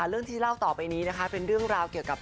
เรื่องที่เล่าต่อไปนี้นะคะเป็นเรื่องราวเกี่ยวกับ